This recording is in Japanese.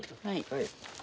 はい。